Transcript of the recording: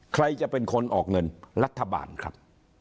ใครจะเป็นคนออกเงินรัฐบาลครับ